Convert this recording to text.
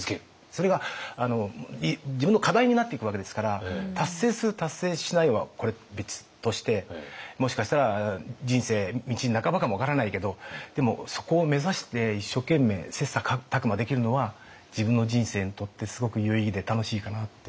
それが自分の課題になっていくわけですから達成する達成しないはこれ別としてもしかしたら人生道半ばかも分からないけどでもそこを目指して一生懸命切磋琢磨できるのは自分の人生にとってすごく有意義で楽しいかなって。